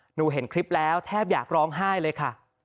เห็นคลิปแล้วแทบอยากร้องไห้เลยค่ะ